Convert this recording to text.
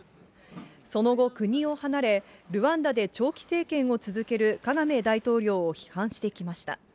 その後、国を離れ、ルワンダで長期政権を続けるカガメ大統領を批判してきました。